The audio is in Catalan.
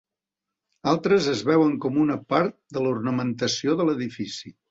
Altres els veuen com una part de l'ornamentació de l'edifici.